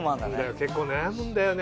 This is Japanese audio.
結構悩むんだよね。